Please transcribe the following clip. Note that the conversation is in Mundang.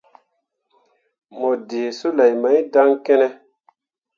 Mo ɗǝǝ soulei mai dan kǝne.